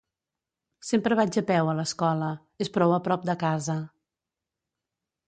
Sempre vaig a peu a l'escola. És prou a prop de casa.